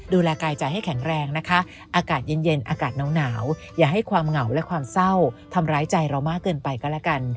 ดูแลกายใจให้แข็งแรงนะคะอากาศเย็นเย็นอากาศหนาวอย่าให้ความเหงาและความเศร้าทำร้ายใจเรามากเกินไปก็แล้วกัน